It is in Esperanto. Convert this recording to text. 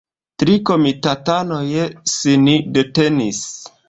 Tri komitatanoj sin detenis.